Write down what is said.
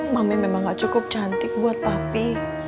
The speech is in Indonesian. mami memang gak cukup cantik buat papi